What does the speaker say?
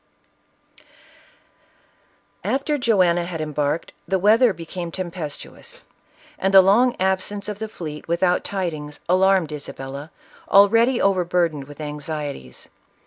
After Joanna had embarked, the weather became tempestuous, and the long absence of the fleet without tidings, alarmed Isabella, already overburdened with anxieties.